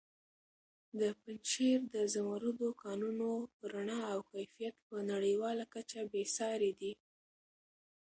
د پنجشېر د زمردو کانونو رڼا او کیفیت په نړیواله کچه بې ساري دی.